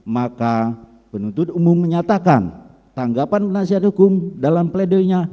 maka penuntut umum menyatakan tanggapan penasihat hukum dalam pledoinya